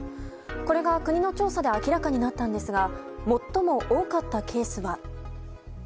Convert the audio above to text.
これが国の調査で明らかになったんですが最も多かったケースは。